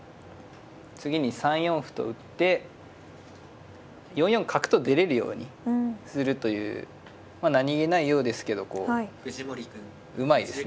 次に３四歩と打って４四角と出れるようにするという何気ないようですけどこううまいですね。